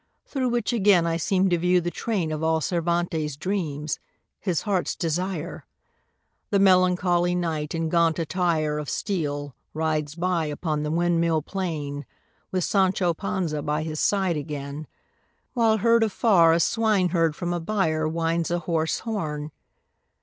Through which again I seem to view the train Of all Cervantes' dreams, his heart's desire: The melancholy Knight, in gaunt attire Of steel rides by upon the windmill plain With Sancho Panza by his side again, While, heard afar, a swineherd from a byre Winds a hoarse horn.